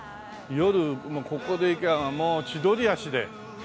夜ここでいきゃもう千鳥足で。